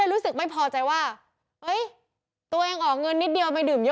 แล้วรู้สึกพี่ทักไม่พอใจว่าเป็นใช้เงินเยอะมากกว่าภูมิ